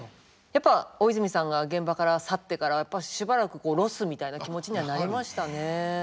やっぱ大泉さんが現場から去ってからやっぱしばらくロスみたいな気持ちにはなりましたね。